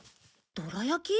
どら焼き？